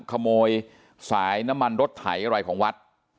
ขโมยสายน้ำมันรถไถอะไรของวัด